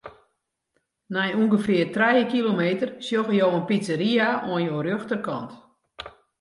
Nei ûngefear trije kilometer sjogge jo in pizzeria oan jo rjochterkant.